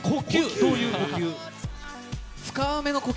どういう呼吸？